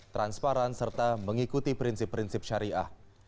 transparan serta mengikuti prinsip prinsip syariah